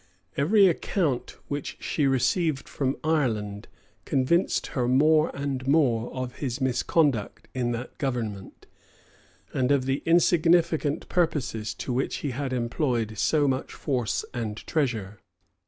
Every account which she received from Ireland, convinced her more and more of his misconduct in that government, and of the insignificant purposes to which he had employed so much force and treasure.